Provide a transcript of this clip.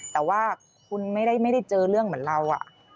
แต่ว่าคุณไม่ได้เจอเรื่องเหมือนเรา